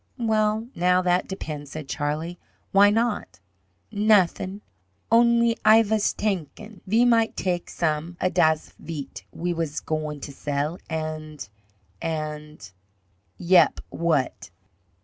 "Well, now that depends," said Charlie. "Why not?" "Nothin', only Ay vas tankin' ve might tak' some a das veat we vas goin' to sell and and " "Yep, what?"